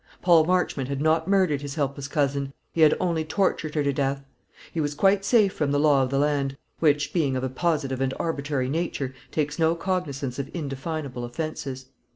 Paul Marchmont had not murdered his helpless cousin; he had only tortured her to death. He was quite safe from the law of the land, which, being of a positive and arbitrary nature, takes no cognisance of indefinable offences.